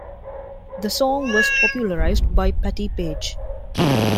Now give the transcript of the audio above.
The song was popularized by Patti Page.